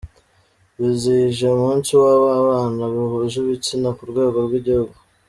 Bizihije umunsi w’ababana bahuje ibitsina ku rwego rw’ igihugu